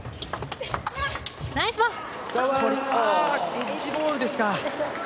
エッジボールですか